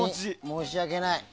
申し訳ない。